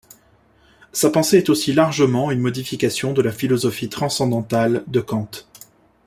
Sa pensée est aussi largement une modification de la philosophie transcendantale de Kant.